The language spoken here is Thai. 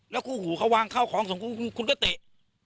แล้วคู่หูเขาวางเข้าของสมมุติคุณก็เตะ